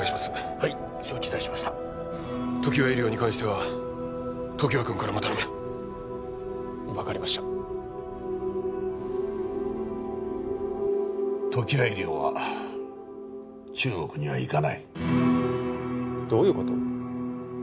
・はい承知いたしました常盤医療に関しては常盤君からも頼む分かりました常盤医療は中国には行かないどういうこと！？